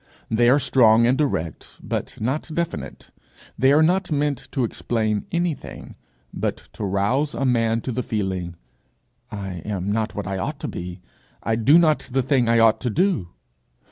They are strong and direct but not definite. They are not meant to explain anything, but to rouse a man to the feeling, 'I am not what I ought to be, I do not the thing I ought to do!'